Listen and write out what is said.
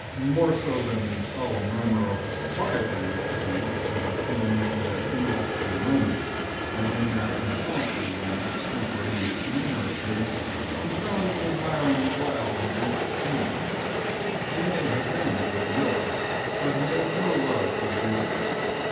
More so than the solemn murmur of the proprietor used to be when he came in at an inopportune moment, and in that impromptu and extemporaneous manner of his, and found me admiring the wild and beautiful scenery. He may have been a good miller, but he had no love for the beautiful.